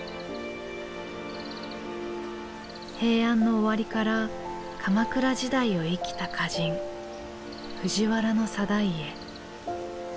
平安の終わりから鎌倉時代を生きた歌人藤原定家。